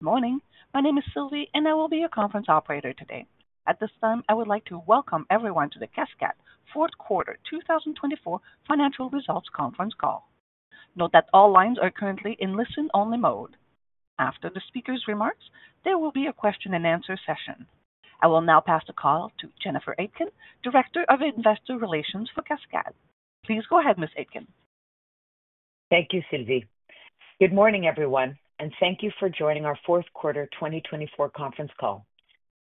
Good morning. My name is Sylvie, and I will be your conference operator today. At this time, I would like to welcome everyone to the Cascades fourth quarter 2024 Financial Results Conference call. Note that all lines are currently in listen-only mode. After the speaker's remarks, there will be a question-and-answer session. I will now pass the call to Jennifer Aitken, Director of Investor Relations for Cascades. Please go ahead, Ms. Aitken. Thank you, Sylvie. Good morning, everyone, and thank you for joining our fourth quarter 2024 conference call.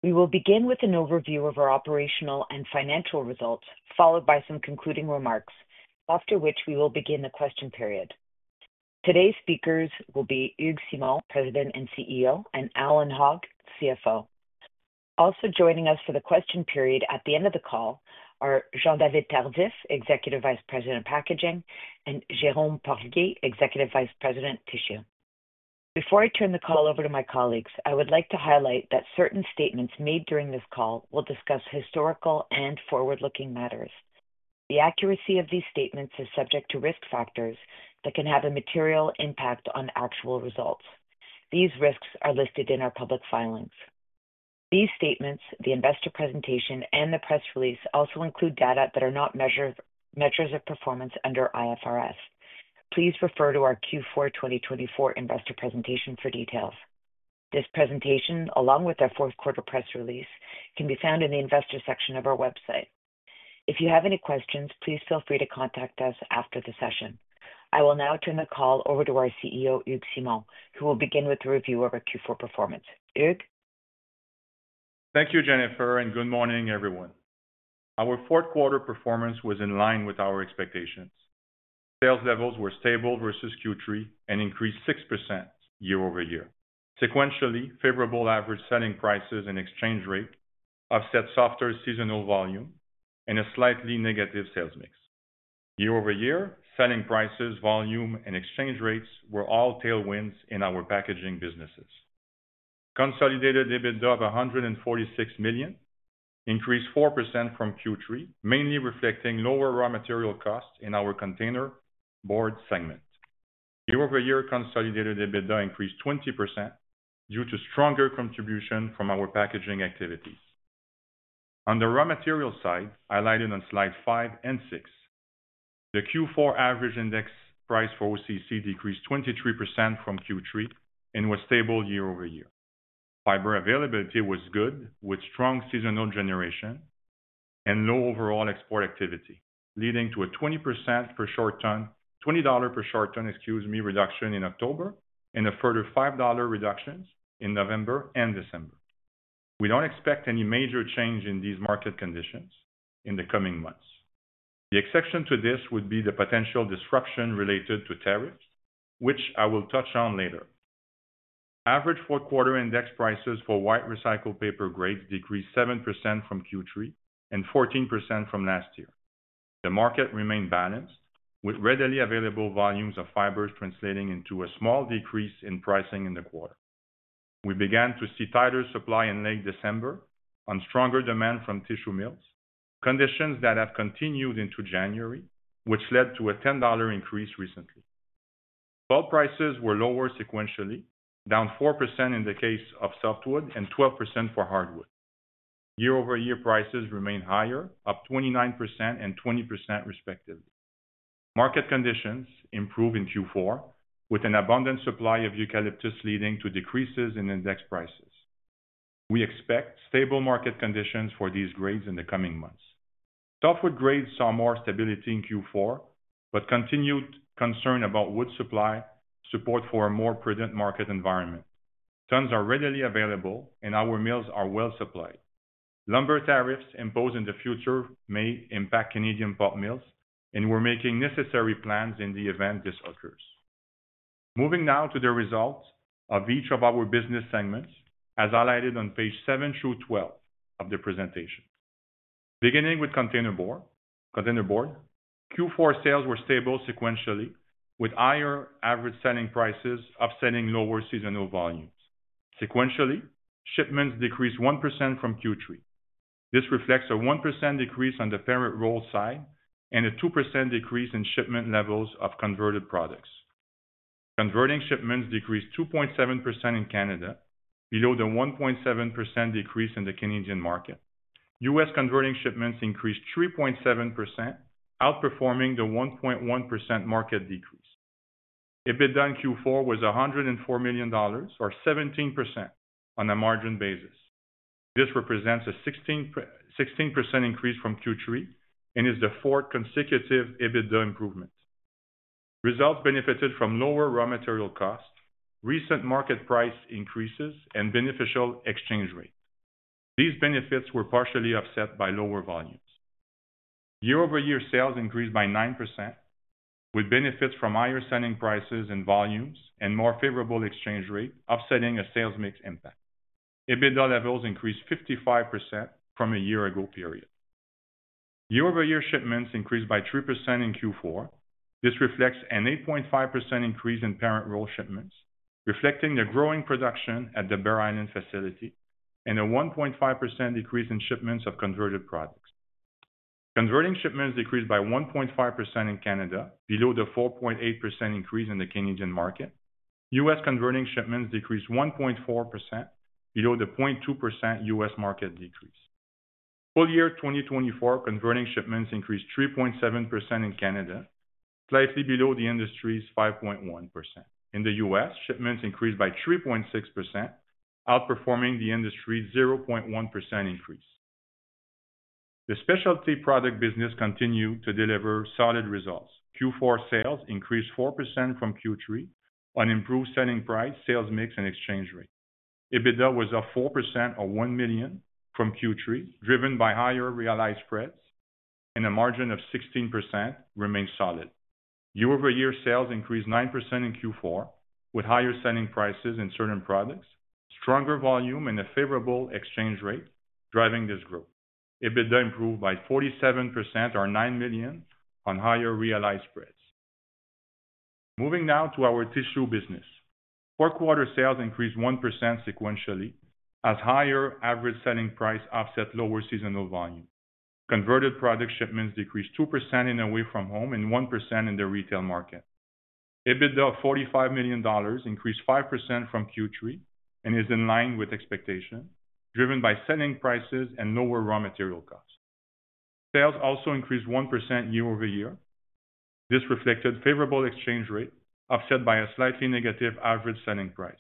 We will begin with an overview of our operational and financial results, followed by some concluding remarks, after which we will begin the question period. Today's speakers will be Hugues Simon, President and CEO, and Allan Hogg, CFO. Also joining us for the question period at the end of the call are Jean-David Tardif, Executive Vice President of Packaging, and Jérôme Porlier, Executive Vice President of Tissue. Before I turn the call over to my colleagues, I would like to highlight that certain statements made during this call will discuss historical and forward-looking matters. The accuracy of these statements is subject to risk factors that can have a material impact on actual results. These risks are listed in our public filings. These statements, the investor presentation, and the press release also include data that are not measures of performance under IFRS. Please refer to our Q4 2024 investor presentation for details. This presentation, along with our fourth quarter press release, can be found in the investor section of our website. If you have any questions, please feel free to contact us after the session. I will now turn the call over to our CEO, Hugues Simon, who will begin with the review of our Q4 performance. Hugues? Thank you, Jennifer, and good morning, everyone. Our fourth quarter performance was in line with our expectations. Sales levels were stable versus Q3 and increased 6% year over year. Sequentially, favorable average selling prices and exchange rate offset softer seasonal volume and a slightly negative sales mix. Year over year, selling prices, volume, and exchange rates were all tailwinds in our packaging businesses. Consolidated EBITDA of 146 million increased 4% from Q3, mainly reflecting lower raw material costs in our containerboard segment. Year over year, consolidated EBITDA increased 20% due to stronger contribution from our packaging activities. On the raw material side, highlighted on slide five and six, the Q4 average index price for OCC decreased 23% from Q3 and was stable year over year. Fiber availability was good, with strong seasonal generation and low overall export activity, leading to a $20 per short ton, excuse me, reduction in October and a further $5 reduction in November and December. We don't expect any major change in these market conditions in the coming months. The exception to this would be the potential disruption related to tariffs, which I will touch on later. Average fourth quarter index prices for white recycled paper grades decreased 7% from Q3 and 14% from last year. The market remained balanced, with readily available volumes of fibers translating into a small decrease in pricing in the quarter. We began to see tighter supply in late December on stronger demand from tissue mills, conditions that have continued into January, which led to a $10 increase recently. Bulk prices were lower sequentially, down 4% in the case of softwood and 12% for hardwood. Year over year, prices remained higher, up 29% and 20%, respectively. Market conditions improved in Q4, with an abundant supply of eucalyptus leading to decreases in index prices. We expect stable market conditions for these grades in the coming months. Softwood grades saw more stability in Q4, but continued concern about wood supply support for a more prudent market environment. Tons are readily available, and our mills are well supplied. Lumber tariffs imposed in the future may impact Canadian bulk mills, and we're making necessary plans in the event this occurs. Moving now to the results of each of our business segments, as highlighted on Pages 7 through 12 of the presentation. Beginning with containerboard, Q4 sales were stable sequentially, with higher average selling prices offsetting lower seasonal volumes. Sequentially, shipments decreased 1% from Q3. This reflects a 1% decrease on the parent roll side and a 2% decrease in shipment levels of converted products. Converting shipments decreased 2.7% in Canada, below the 1.7% decrease in the Canadian market. U.S. converting shipments increased 3.7%, outperforming the 1.1% market decrease. EBITDA in Q4 was $104 million, or 17% on a margin basis. This represents a 16% increase from Q3 and is the fourth consecutive EBITDA improvement. Results benefited from lower raw material costs, recent market price increases, and beneficial exchange rate. These benefits were partially offset by lower volumes. Year over year, sales increased by 9%, with benefits from higher selling prices and volumes and more favorable exchange rate offsetting a sales mix impact. EBITDA levels increased 55% from a year-ago period. Year over year, shipments increased by 3% in Q4. This reflects an 8.5% increase in parent roll shipments, reflecting the growing production at the Bear Island facility and a 1.5% decrease in shipments of converted products. Converting shipments decreased by 1.5% in Canada, below the 4.8% increase in the Canadian market. U.S. converting shipments decreased 1.4%, below the 0.2% U.S. market decrease. Full year 2024, converting shipments increased 3.7% in Canada, slightly below the industry's 5.1%. In the U.S., shipments increased by 3.6%, outperforming the industry's 0.1% increase. The specialty product business continued to deliver solid results. Q4 sales increased 4% from Q3 on improved selling price, sales mix, and exchange rate. EBITDA was up 4% or $1 million from Q3, driven by higher realized spreads, and a margin of 16% remained solid. Year over year, sales increased 9% in Q4, with higher selling prices in certain products, stronger volume, and a favorable exchange rate driving this growth. EBITDA improved by 47% or $9 million on higher realized spreads. Moving now to our tissue business. Fourth quarter sales increased 1% sequentially as higher average selling price offset lower seasonal volume. Converted product shipments decreased 2% in Away-from-Home and 1% in the retail market. EBITDA of $45 million increased 5% from Q3 and is in line with expectation, driven by selling prices and lower raw material costs. Sales also increased 1% year over year. This reflected favorable exchange rate, offset by a slightly negative average selling price.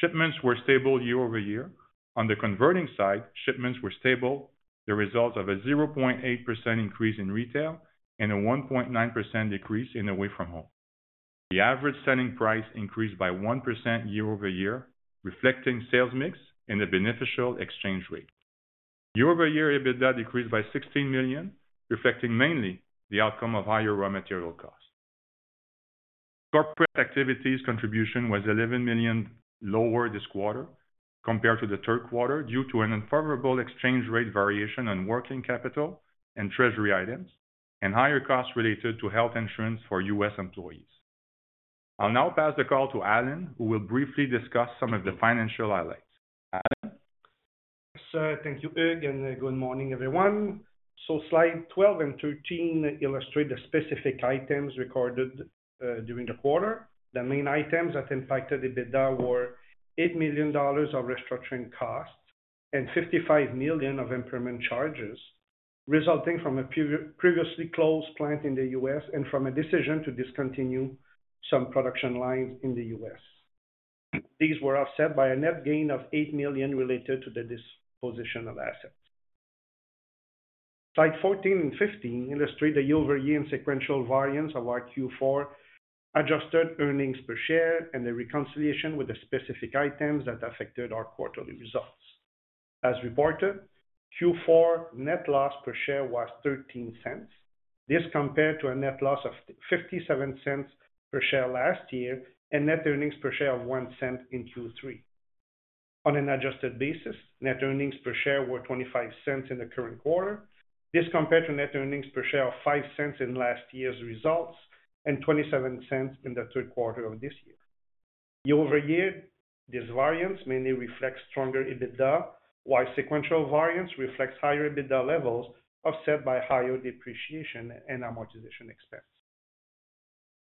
Shipments were stable year over year. On the converting side, shipments were stable, the result of a 0.8% increase in retail and a 1.9% decrease in Away-from-Home. The average selling price increased by 1% year over year, reflecting sales mix and a beneficial exchange rate. Year over year, EBITDA decreased by 16 million, reflecting mainly the outcome of higher raw material costs. Corporate activities contribution was 11 million lower this quarter compared to the third quarter due to an unfavorable exchange rate variation on working capital and treasury items and higher costs related to health insurance for U.S. employees. I'll now pass the call to Allan, who will briefly discuss some of the financial highlights. Allan? Yes, thank you, Hugues, and good morning, everyone. So Slide 12 and 13 illustrate the specific items recorded during the quarter. The main items that impacted EBITDA were $8 million of restructuring costs and $55 million of impairment charges resulting from a previously closed plant in the U.S. and from a decision to discontinue some production lines in the U.S. These were offset by a net gain of $8 million related to the disposition of assets. Slide 14 and 15 illustrate the year over year and sequential variance of our Q4 adjusted earnings per share and the reconciliation with the specific items that affected our quarterly results. As reported, Q4 net loss per share was $0.13. This compared to a net loss of $0.57 per share last year and net earnings per share of $0.01 in Q3. On an adjusted basis, net earnings per share were $0.25 in the current quarter. This compared to net earnings per share of $0.05 in last year's results and $0.27 in the third quarter of this year. Year over year, these variance mainly reflects stronger EBITDA, while sequential variance reflects higher EBITDA levels offset by higher depreciation and amortization expense.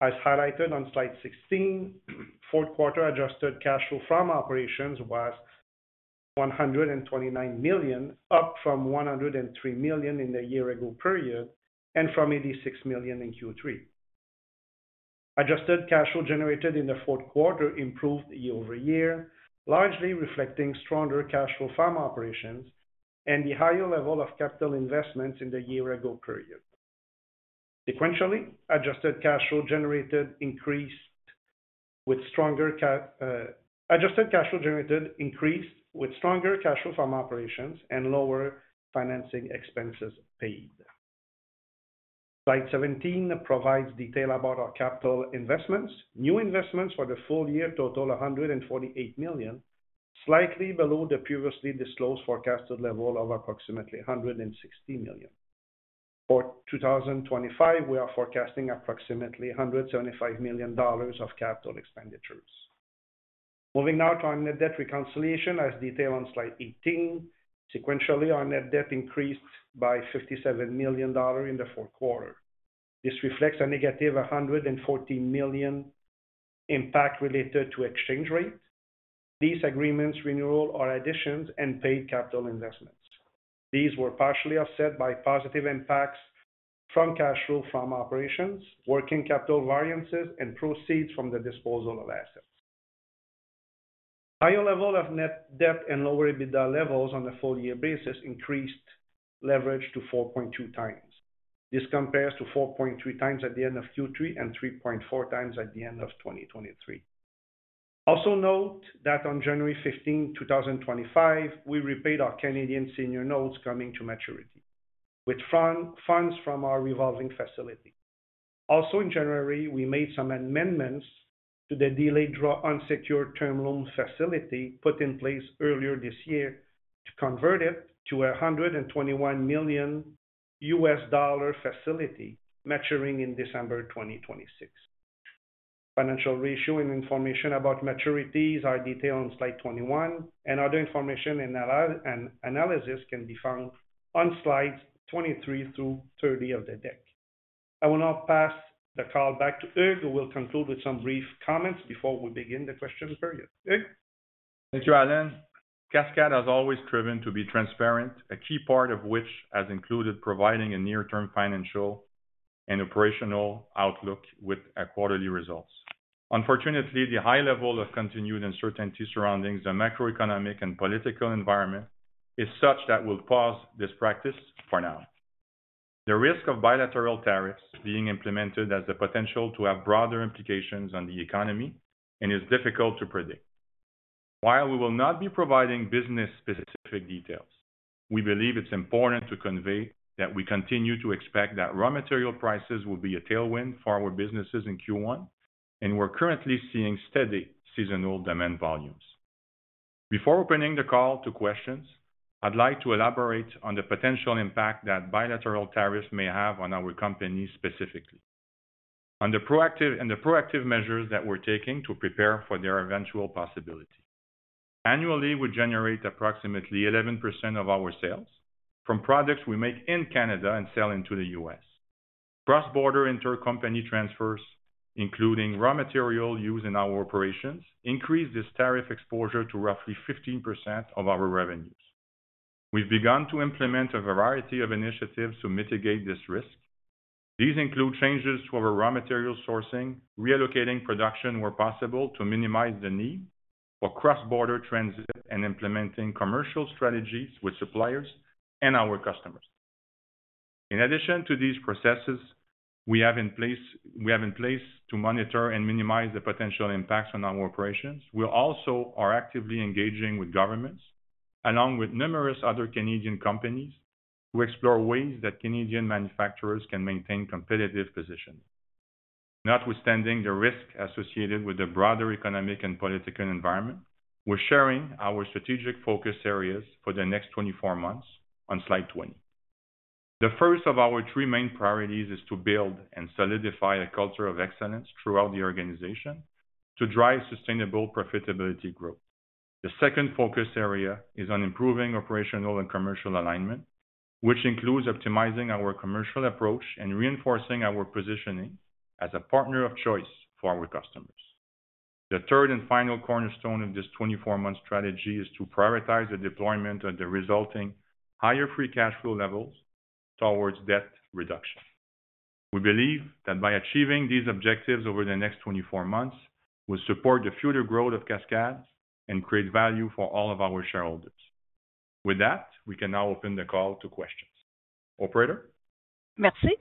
As highlighted on slide 16, fourth quarter adjusted cash flow from operations was $129 million, up from $103 million in the year-ago period and from $86 million in Q3. Adjusted cash flow generated in the fourth quarter improved year over year, largely reflecting stronger cash flow from operations and the higher level of capital investments in the year-ago period. Sequentially, adjusted cash flow generated increased with stronger cash flow from operations and lower financing expenses paid. Slide 17 provides detail about our capital investments. New investments for the full year total 148 million, slightly below the previously disclosed forecasted level of approximately 160 million. For 2025, we are forecasting approximately 175 million dollars of capital expenditures. Moving now to our net debt reconciliation, as detailed on slide 18. Sequentially, our net debt increased by 57 million dollars in the fourth quarter. This reflects a negative 114 million impact related to exchange rate, lease agreements, renewal, or additions and paid capital investments. These were partially offset by positive impacts from cash flow from operations, working capital variances, and proceeds from the disposal of assets. Higher level of net debt and lower EBITDA levels on a full year basis increased leverage to 4.2 times. This compares to 4.3 times at the end of Q3 and 3.4 times at the end of 2023. Also note that on January 15, 2025, we repaid our Canadian senior notes coming to maturity with funds from our revolving facility. Also, in January, we made some amendments to the delayed draw unsecured term loan facility put in place earlier this year to convert it to a $121 million USD facility maturing in December 2026. Financial ratio and information about maturities are detailed on Slide 21, and other information and analysis can be found on slides 23 through 30 of the deck. I will now pass the call back to Hugues, who will conclude with some brief comments before we begin the question period. Hugues? Thank you, Allan. Cascades has always driven to be transparent, a key part of which has included providing a near-term financial and operational outlook with quarterly results. Unfortunately, the high level of continued uncertainty surrounding the macroeconomic and political environment is such that we'll pause this practice for now. The risk of bilateral tariffs being implemented has the potential to have broader implications on the economy and is difficult to predict. While we will not be providing business-specific details, we believe it's important to convey that we continue to expect that raw material prices will be a tailwind for our businesses in Q1, and we're currently seeing steady seasonal demand volumes. Before opening the call to questions, I'd like to elaborate on the potential impact that bilateral tariffs may have on our companies specifically, on the proactive measures that we're taking to prepare for their eventual possibility. Annually, we generate approximately 11% of our sales from products we make in Canada and sell into the U.S. Cross-border intercompany transfers, including raw material used in our operations, increase this tariff exposure to roughly 15% of our revenues. We've begun to implement a variety of initiatives to mitigate this risk. These include changes to our raw material sourcing, reallocating production where possible to minimize the need for cross-border transit, and implementing commercial strategies with suppliers and our customers. In addition to these processes we have in place to monitor and minimize the potential impacts on our operations, we also are actively engaging with governments, along with numerous other Canadian companies, to explore ways that Canadian manufacturers can maintain competitive positions. Notwithstanding the risk associated with the broader economic and political environment, we're sharing our strategic focus areas for the next 24 months on Slide 20. The first of our three main priorities is to build and solidify a culture of excellence throughout the organization to drive sustainable profitability growth. The second focus area is on improving operational and commercial alignment, which includes optimizing our commercial approach and reinforcing our positioning as a partner of choice for our customers. The third and final cornerstone of this 24-month strategy is to prioritize the deployment of the resulting higher free cash flow levels towards debt reduction. We believe that by achieving these objectives over the next 24 months, we'll support the future growth of Cascades and create value for all of our shareholders. With that, we can now open the call to questions. Operator? Merci.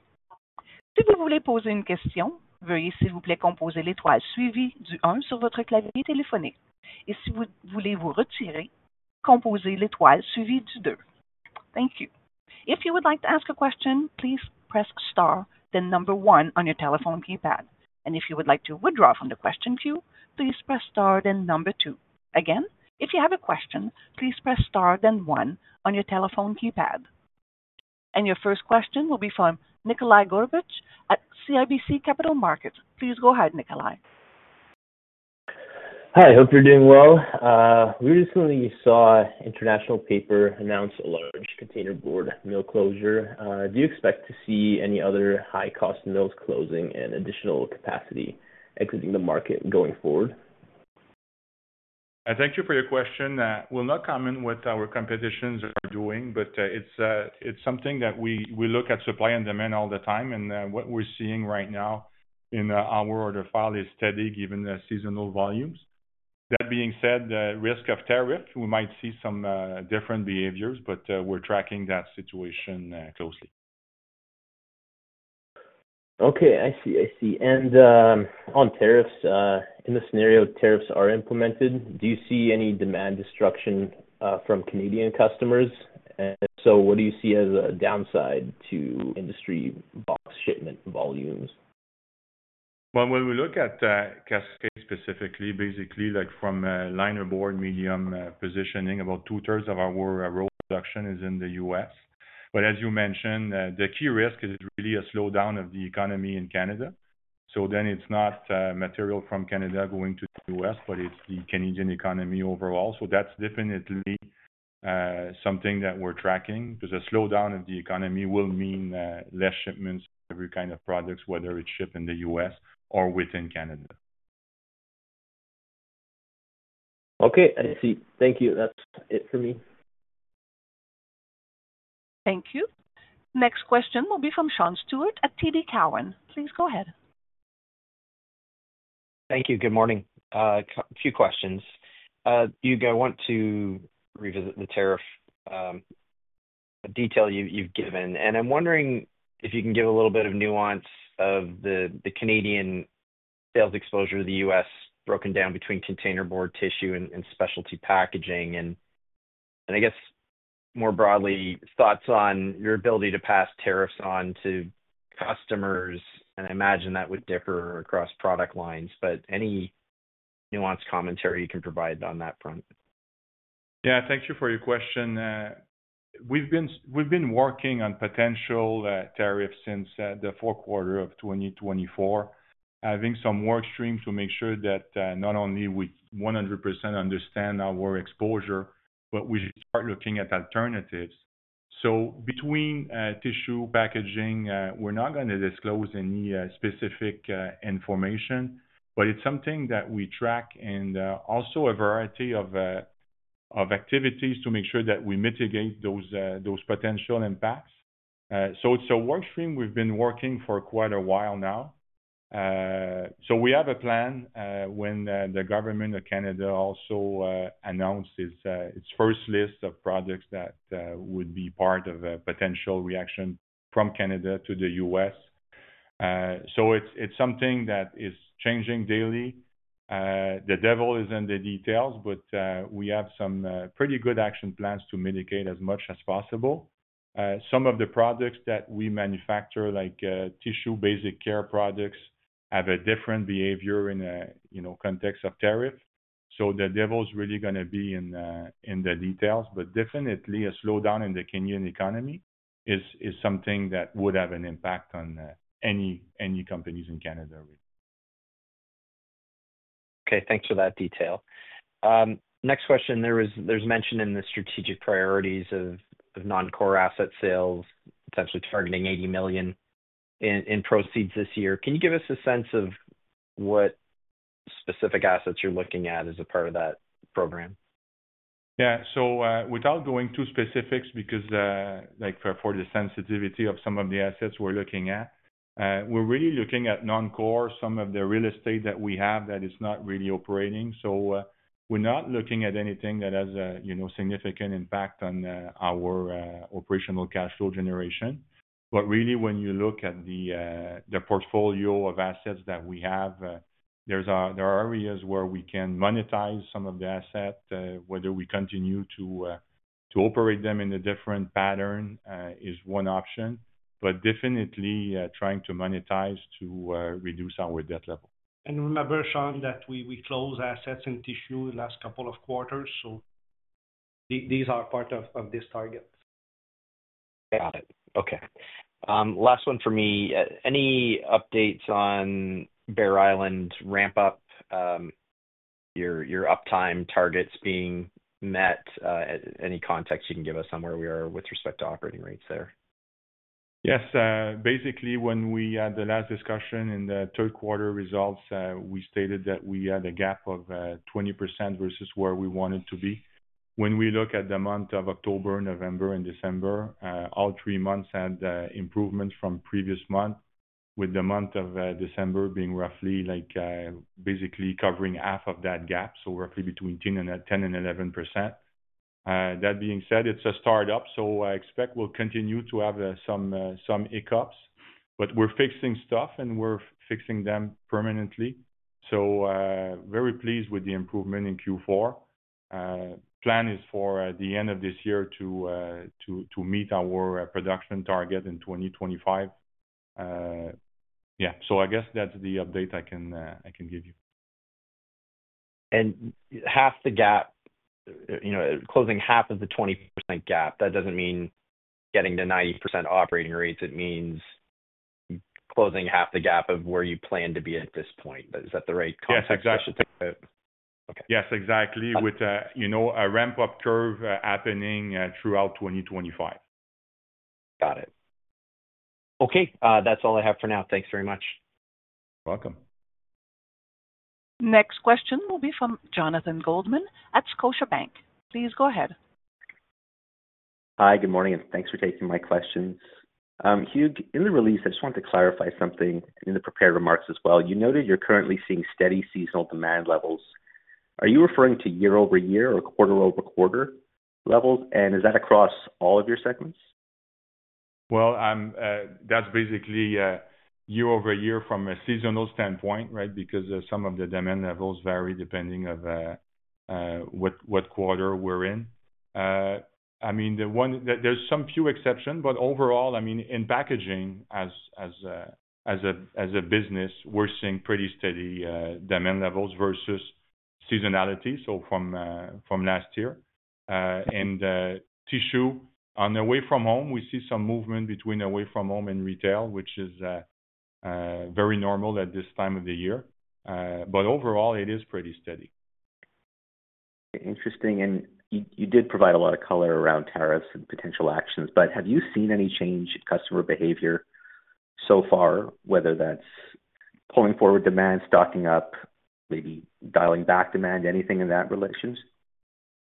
Si vous voulez poser une question, veuillez, s'il vous plaît, composer l'étoile suivie du 1 sur votre clavier téléphonique. Et si vous voulez vous retirer, composez l'étoile suivie du 2. Thank you. If you would like to ask a question, please press star, then number one on your telephone keypad. And if you would like to withdraw from the question queue, please press star, then number two. Again, if you have a question, please press star, then 1 on your telephone keypad. And your first question will be from Nikolai Goroopitch at CIBC Capital Markets. Please go ahead, Nikolai. Hi, I hope you're doing well. We recently saw International Paper announce a large containerboard mill closure. Do you expect to see any other high-cost mills closing and additional capacity exiting the market going forward? Thank you for your question. We'll not comment on what our competitors are doing, but it's something that we look at supply and demand all the time, and what we're seeing right now in our order file is steady given the seasonal volumes. That being said, the risk of tariff, we might see some different behaviors, but we're tracking that situation closely. Okay, I see. I see. And on tariffs, in the scenario tariffs are implemented, do you see any demand destruction from Canadian customers? And if so, what do you see as a downside to industry box shipment volumes? When we look at Cascades specifically, basically from a linerboard medium positioning, about two-thirds of our world production is in the U.S. But as you mentioned, the key risk is really a slowdown of the economy in Canada. So then it's not material from Canada going to the U.S., but it's the Canadian economy overall. So that's definitely something that we're tracking because a slowdown of the economy will mean less shipments of every kind of products, whether it's shipped in the U.S. or within Canada. Okay, I see. Thank you. That's it for me. Thank you. Next question will be from Sean Steuart at TD Cowen. Please go ahead. Thank you. Good morning. A few questions. Hugues, I want to revisit the tariff detail you've given. And I'm wondering if you can give a little bit of nuance of the Canadian sales exposure to the U.S., broken down between container board tissue and specialty packaging? And I guess more broadly, thoughts on your ability to pass tariffs on to customers? And I imagine that would differ across product lines, but any nuanced commentary you can provide on that front? Yeah, thank you for your question. We've been working on potential tariffs since the fourth quarter of 2024, having some workstreams to make sure that not only we 100% understand our exposure, but we start looking at alternatives. So between tissue packaging, we're not going to disclose any specific information, but it's something that we track and also a variety of activities to make sure that we mitigate those potential impacts. So it's a workstream we've been working for quite a while now. So we have a plan when the Government of Canada also announced its first list of products that would be part of a potential reaction from Canada to the U.S. So it's something that is changing daily. The devil is in the details, but we have some pretty good action plans to mitigate as much as possible. Some of the products that we manufacture, like tissue basic care products, have a different behavior in a context of tariff. So the devil's really going to be in the details, but definitely a slowdown in the Canadian economy is something that would have an impact on any companies in Canada. Okay, thanks for that detail. Next question. There's mention in the strategic priorities of non-core asset sales, potentially targeting $80 million in proceeds this year. Can you give us a sense of what specific assets you're looking at as a part of that program? Yeah, so without going too specific, because for the sensitivity of some of the assets we're looking at, we're really looking at non-core, some of the real estate that we have that is not really operating. So we're not looking at anything that has a significant impact on our operational cash flow generation. But really, when you look at the portfolio of assets that we have, there are areas where we can monetize some of the assets. Whether we continue to operate them in a different pattern is one option, but definitely trying to monetize to reduce our debt level. And remember, Sean, that we closed assets in tissue the last couple of quarters. So these are part of this target. Got it. Okay. Last one for me. Any updates on Bear Island ramp-up, your uptime targets being met? Any context you can give us on where we are with respect to operating rates there? Yes. Basically, when we had the last discussion in the third quarter results, we stated that we had a gap of 20% versus where we wanted to be. When we look at the month of October, November, and December, all three months had improvements from previous month, with the month of December being roughly basically covering half of that gap, so roughly between 10% and 11%. That being said, it's a startup, so I expect we'll continue to have some hiccups, but we're fixing stuff, and we're fixing them permanently. So very pleased with the improvement in Q4. Plan is for the end of this year to meet our production target in 2025. Yeah, so I guess that's the update I can give you. And half the gap, closing half of the 20% gap, that doesn't mean getting to 90% operating rates. It means closing half the gap of where you plan to be at this point. Is that the right concept? Yes, exactly. Okay. Yes, exactly, with a ramp-up curve happening throughout 2025. Got it. Okay, that's all I have for now. Thanks very much. You're welcome. Next question will be from Jonathan Goldman at Scotiabank. Please go ahead. Hi, good morning, and thanks for taking my questions. Hugues, in the release, I just wanted to clarify something in the prepared remarks as well. You noted you're currently seeing steady seasonal demand levels. Are you referring to year-over-year or quarter-over-quarter levels? And is that across all of your segments? That's basically year-over-year from a seasonal standpoint, right, because some of the demand levels vary depending on what quarter we're in. I mean, there's some few exceptions, but overall, I mean, in packaging as a business, we're seeing pretty steady demand levels versus seasonality, so from last year. Tissue, on the Away-from-Home, we see some movement between Away-from-Home and retail, which is very normal at this time of the year. Overall, it is pretty steady. Interesting. And you did provide a lot of color around tariffs and potential actions, but have you seen any change in customer behavior so far, whether that's pulling forward demand, stocking up, maybe dialing back demand, anything in that relation?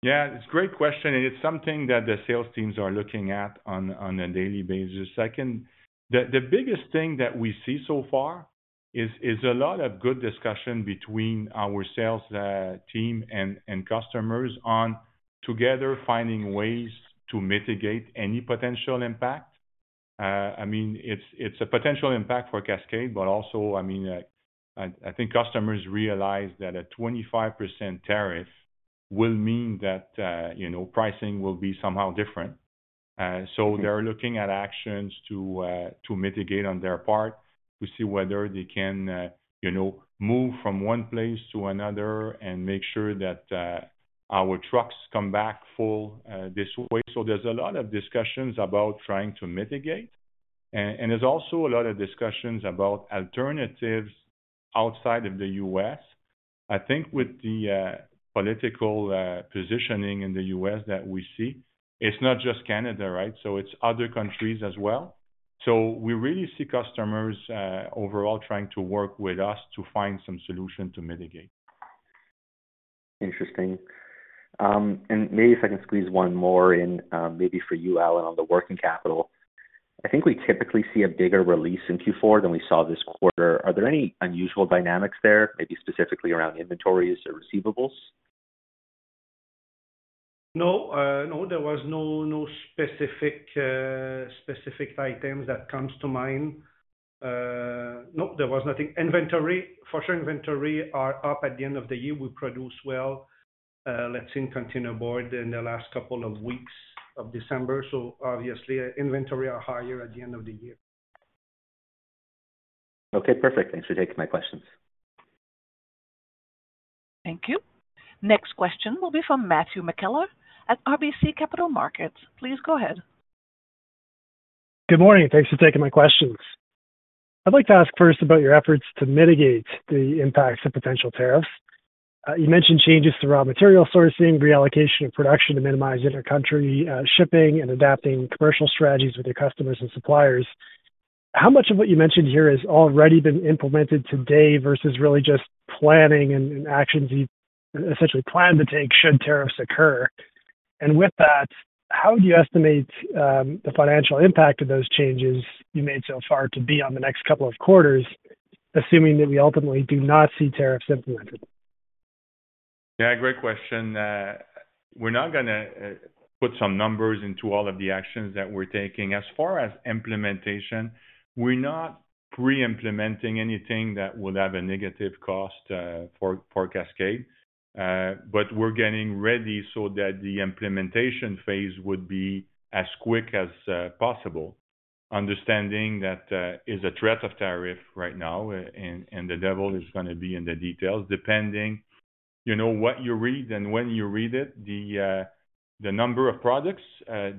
Yeah, it's a great question, and it's something that the sales teams are looking at on a daily basis. The biggest thing that we see so far is a lot of good discussion between our sales team and customers on together finding ways to mitigate any potential impact. I mean, it's a potential impact for Cascades, but also, I mean, I think customers realize that a 25% tariff will mean that pricing will be somehow different. So they're looking at actions to mitigate on their part to see whether they can move from one place to another and make sure that our trucks come back full this way. So there's a lot of discussions about trying to mitigate, and there's also a lot of discussions about alternatives outside of the U.S. I think with the political positioning in the U.S. that we see, it's not just Canada, right? So it's other countries as well. So we really see customers overall trying to work with us to find some solution to mitigate. Interesting, and maybe if I can squeeze one more in, maybe for you, Allan, on the working capital. I think we typically see a bigger release in Q4 than we saw this quarter. Are there any unusual dynamics there, maybe specifically around inventories or receivables? No, no, there was no specific items that come to mind. No, there was nothing. Inventory, for sure, inventory are up at the end of the year. We produce well, let's say, in containerboard in the last couple of weeks of December. So obviously, inventory are higher at the end of the year. Okay, perfect. Thanks for taking my questions. Thank you. Next question will be from Matthew McKellar at RBC Capital Markets. Please go ahead. Good morning. Thanks for taking my questions. I'd like to ask first about your efforts to mitigate the impacts of potential tariffs. You mentioned changes to raw material sourcing, reallocation of production to minimize inter-country shipping, and adapting commercial strategies with your customers and suppliers. How much of what you mentioned here has already been implemented today versus really just planning and actions you essentially plan to take should tariffs occur? And with that, how do you estimate the financial impact of those changes you made so far to be on the next couple of quarters, assuming that we ultimately do not see tariffs implemented? Yeah, great question. We're not going to put some numbers into all of the actions that we're taking. As far as implementation, we're not pre-implementing anything that would have a negative cost for Cascades, but we're getting ready so that the implementation phase would be as quick as possible, understanding that it is a threat of tariff right now, and the devil is going to be in the details. Depending on what you read and when you read it, the number of products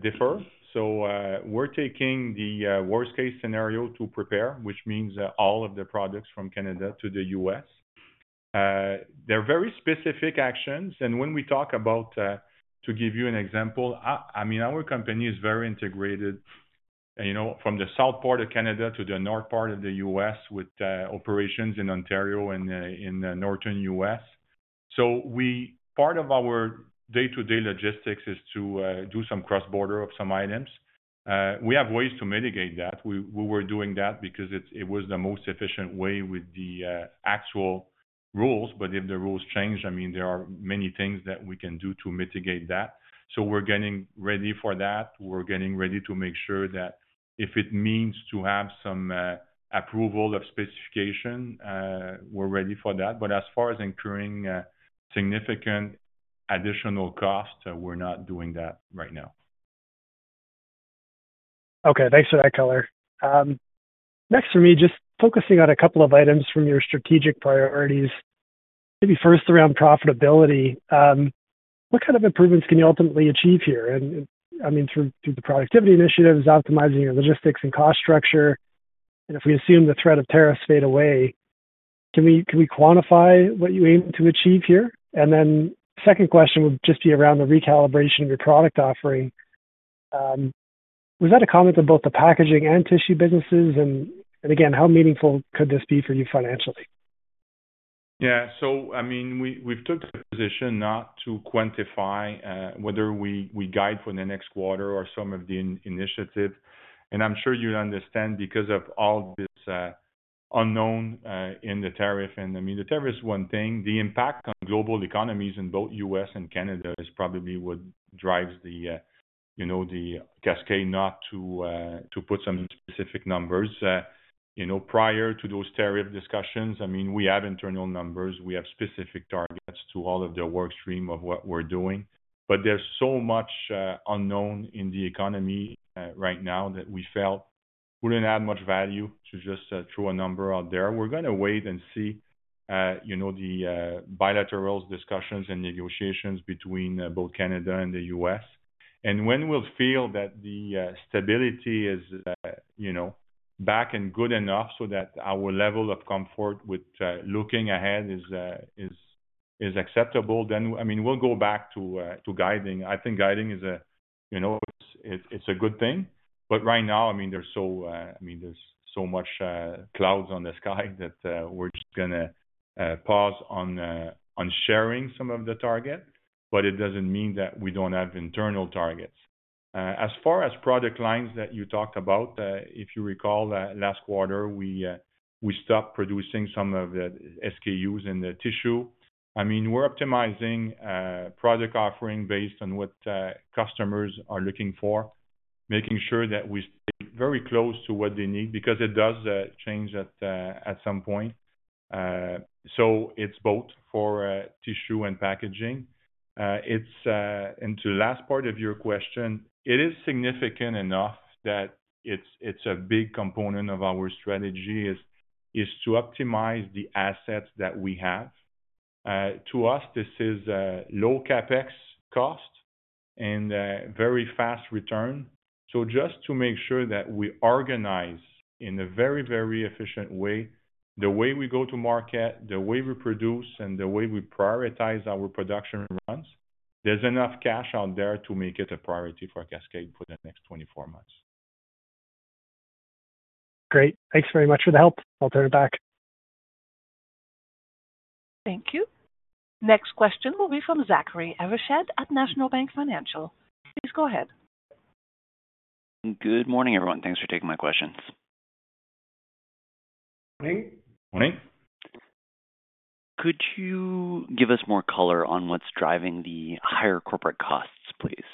differ. So we're taking the worst-case scenario to prepare, which means all of the products from Canada to the U.S. They're very specific actions, and when we talk about, to give you an example, I mean, our company is very integrated from the south part of Canada to the north part of the U.S. with operations in Ontario and in the northern U.S. So part of our day-to-day logistics is to do some cross-border of some items. We have ways to mitigate that. We were doing that because it was the most efficient way with the actual rules. But if the rules change, I mean, there are many things that we can do to mitigate that. So we're getting ready for that. We're getting ready to make sure that if it means to have some approval of specification, we're ready for that. But as far as incurring significant additional cost, we're not doing that right now. Okay, thanks for that, McKellar. Next for me, just focusing on a couple of items from your strategic priorities, maybe first around profitability. What kind of improvements can you ultimately achieve here? And I mean, through the productivity initiatives, optimizing your logistics and cost structure. And if we assume the threat of tariffs fade away, can we quantify what you aim to achieve here? And then second question would just be around the recalibration of your product offering. Was that a comment to both the packaging and tissue businesses? And again, how meaningful could this be for you financially? Yeah, so I mean, we've took the position not to quantify whether we guide for the next quarter or some of the initiative, and I'm sure you understand because of all this unknown in the tariff. I mean, the tariff is one thing. The impact on global economies in both U.S. and Canada is probably what drives Cascades not to put some specific numbers. Prior to those tariff discussions, I mean, we have internal numbers. We have specific targets to all of the workstream of what we're doing. But there's so much unknown in the economy right now that we felt wouldn't add much value to just throw a number out there. We're going to wait and see the bilateral discussions and negotiations between both Canada and the U.S. And when we'll feel that the stability is back and good enough so that our level of comfort with looking ahead is acceptable, then I mean, we'll go back to guiding. I think guiding is a good thing. But right now, I mean, there's so much clouds on the sky that we're just going to pause on sharing some of the target. But it doesn't mean that we don't have internal targets. As far as product lines that you talked about, if you recall, last quarter, we stopped producing some of the SKUs in the tissue. I mean, we're optimizing product offering based on what customers are looking for, making sure that we stay very close to what they need because it does change at some point. So it's both for tissue and packaging. And to the last part of your question, it is significant enough that it's a big component of our strategy is to optimize the assets that we have. To us, this is low CapEx cost and very fast return. So just to make sure that we organize in a very, very efficient way, the way we go to market, the way we produce, and the way we prioritize our production runs, there's enough cash out there to make it a priority for Cascades for the next 24 months. Great. Thanks very much for the help. I'll turn it back. Thank you. Next question will be from Zachary Evershed at National Bank Financial. Please go ahead. Good morning, everyone. Thanks for taking my questions. Morning. Morning. Could you give us more color on what's driving the higher corporate costs, please?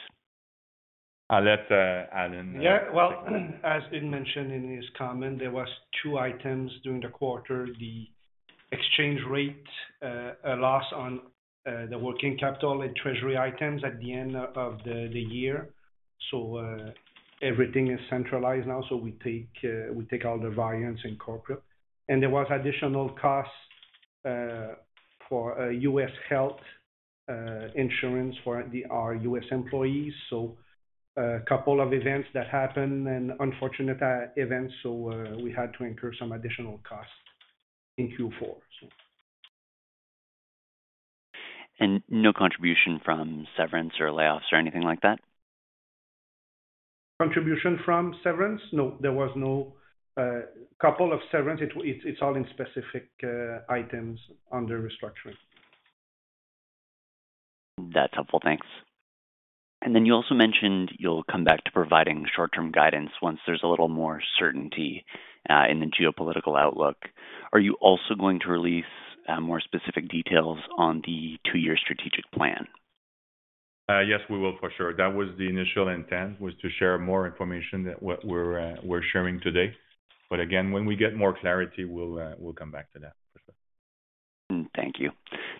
I'll let Allan. Yeah, well, as has been mentioned in his comment, there were two items during the quarter: the exchange rate loss on the working capital and treasury items at the end of the year. So everything is centralized now, so we take all the variance in corporate. And there were additional costs for U.S. health insurance for our U.S. employees. So a couple of events that happened and unfortunate events, so we had to incur some additional costs in Q4. No contribution from severance or layoffs or anything like that? Contribution from severance? No, there was no couple of severance. It's all in specific items under restructuring. That's helpful. Thanks, and then you also mentioned you'll come back to providing short-term guidance once there's a little more certainty in the geopolitical outlook. Are you also going to release more specific details on the two-year strategic plan? Yes, we will for sure. That was the initial intent, to share more information than what we're sharing today. But again, when we get more clarity, we'll come back to that for sure. Thank you.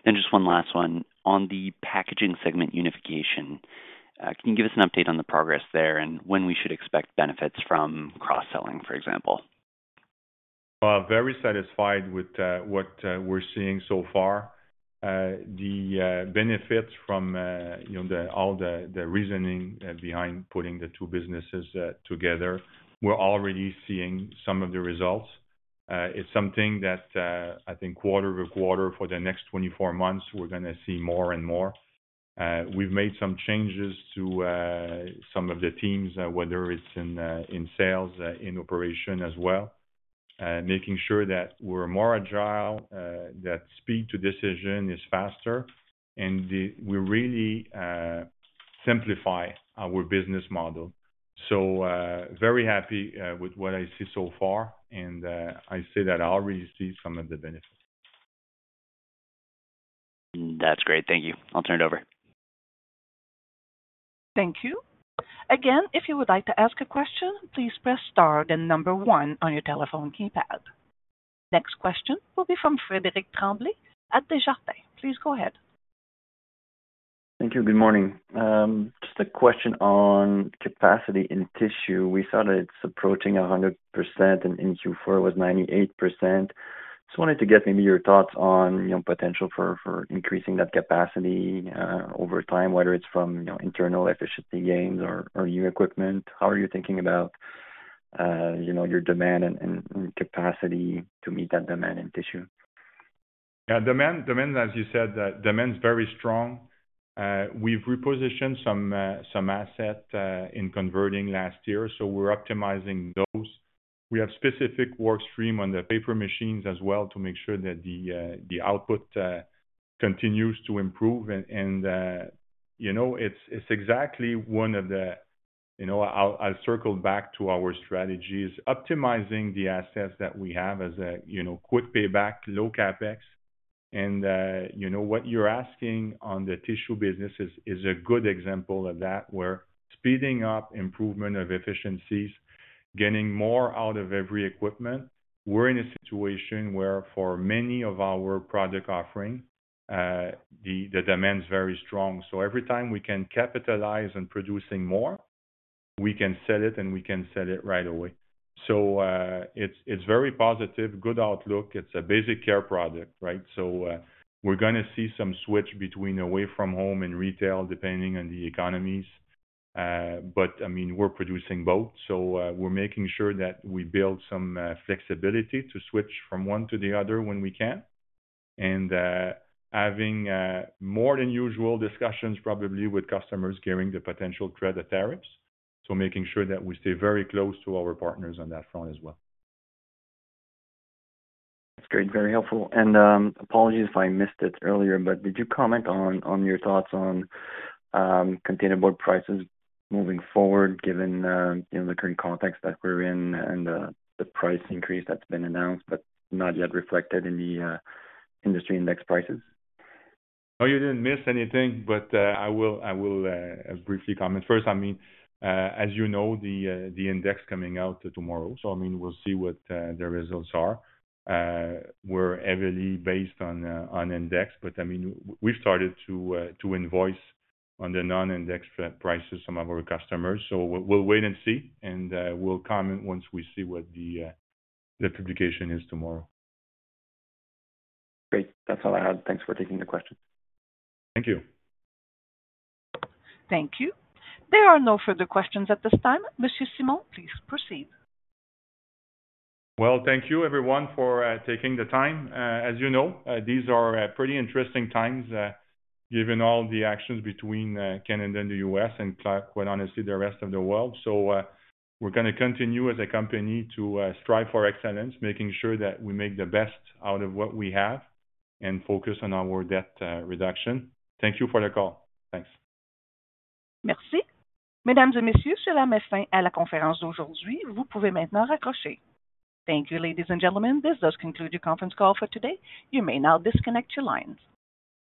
And just one last one. On the packaging segment unification, can you give us an update on the progress there and when we should expect benefits from cross-selling, for example? Very satisfied with what we're seeing so far. The benefits from all the reasoning behind putting the two businesses together. We're already seeing some of the results. It's something that I think quarter to quarter for the next 24 months, we're going to see more and more. We've made some changes to some of the teams, whether it's in sales, in operation as well, making sure that we're more agile, that speed to decision is faster, and we really simplify our business model. So very happy with what I see so far, and I say that I'll really see some of the benefits. That's great. Thank you. I'll turn it over. Thank you. Again, if you would like to ask a question, please press star then number one on your telephone keypad. Next question will be from Frederick Tremblay at Desjardins. Please go ahead. Thank you. Good morning. Just a question on capacity in tissue. We saw that it's approaching 100%, and in Q4, it was 98%. Just wanted to get maybe your thoughts on potential for increasing that capacity over time, whether it's from internal efficiency gains or new equipment. How are you thinking about your demand and capacity to meet that demand in tissue? Yeah, demand, as you said, demand is very strong. We've repositioned some assets in converting last year, so we're optimizing those. We have specific workstream on the paper machines as well to make sure that the output continues to improve. And it's exactly one of the (I'll circle back to our strategies) optimizing the assets that we have as a quick payback, low CapEx. And what you're asking on the tissue business is a good example of that, where speeding up improvement of efficiencies, getting more out of every equipment. We're in a situation where for many of our product offering, the demand is very strong. So every time we can capitalize on producing more, we can sell it, and we can sell it right away. So it's very positive, good outlook. It's a basic care product, right? So we're going to see some switch between Away-from-Home and retail, depending on the economies. But I mean, we're producing both. So we're making sure that we build some flexibility to switch from one to the other when we can. And having more than usual discussions probably with customers carrying the potential threat of tariffs. So making sure that we stay very close to our partners on that front as well. That's great. Very helpful. And apologies if I missed it earlier, but did you comment on your thoughts on containerboard prices moving forward, given the current context that we're in and the price increase that's been announced, but not yet reflected in the industry index prices? No, you didn't miss anything, but I will briefly comment. First, I mean, as you know, the index coming out tomorrow. So I mean, we'll see what the results are. We're heavily based on index, but I mean, we've started to invoice on the non-index prices some of our customers. So we'll wait and see, and we'll comment once we see what the publication is tomorrow. Great. That's all I had. Thanks for taking the question. Thank you. Thank you. There are no further questions at this time. Monsieur Simon, please proceed. Thank you, everyone, for taking the time. As you know, these are pretty interesting times given all the actions between Canada and the U.S. and, quite honestly, the rest of the world. So we're going to continue as a company to strive for excellence, making sure that we make the best out of what we have and focus on our debt reduction. Thank you for the call. Thanks. Merci. Mesdames et messieurs, cela met fin à la conférence d'aujourd'hui. Vous pouvez maintenant raccrocher. Thank you, ladies and gentlemen. This does conclude your conference call for today. You may now disconnect your lines.